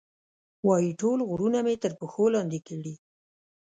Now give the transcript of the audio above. وایي، ټول غرونه مې تر پښو لاندې کړي.